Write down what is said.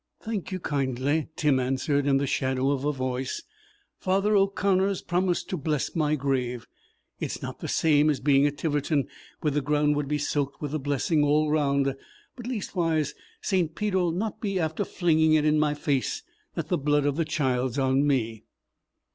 "Thank you kindly," Tim answered, in the shadow of a voice. "Father O'Connor's promised to bless my grave. It's not the same as being at Tiverton where the ground would be soaked with the blessing all round, but leastways St. Peter 'll not be after flinging it in my face that the blood of the child's on me."